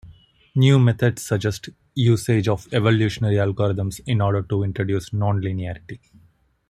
New methods suggest usage of evolutionary algorithms in order to introduce non-linearity.